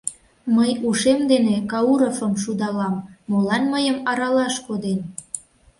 Мый ушем дене Кауровым шудалам: молан мыйым аралаш коден?